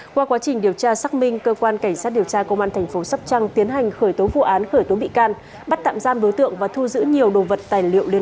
qua quá trình điều tra xác minh cơ quan cảnh sát điều tra công an thành phố sắp trăng tiến hành khởi tố vụ án khởi tố bị can bắt tạm giam đối tượng và thu giữ nhiều đồ vật tài liệu liên quan